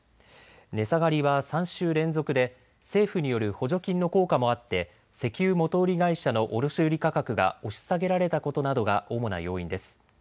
値下がりは３週連続で政府による補助金の効果もあって石油元売り会社の卸売価格が押し下げられたことなどが主な要因です。